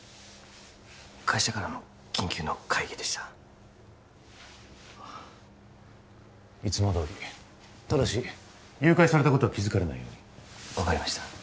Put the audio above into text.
会社からの緊急の会議でしたいつもどおりただし誘拐されたことは気づかれないように分かりました